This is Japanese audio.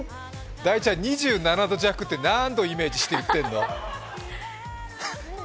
大ちゃん、２７度弱って何度をイメージしてる？